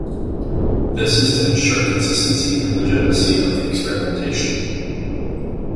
This is to ensure consistency and legitimacy of the experimentation.